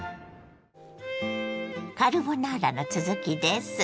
カルボナーラの続きです。